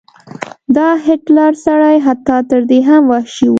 دا هټلر سړی حتی تر دې هم وحشي و.